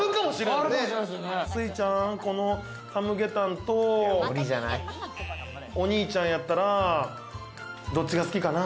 すいちゃん、このサムゲタンとお兄ちゃんやったら、どっちが好きかな？